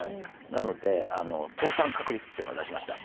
なので倒産確率っていうのを出しました。